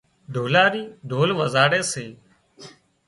ڍولاري ڍول وزاڙي سي